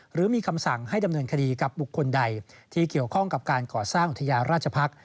หรือมีคำสั่งให้ดำเนินคดีกับบุคคลใดที่เกี่ยวข้องกับการก่อสร้างอุทยาราชภักษ์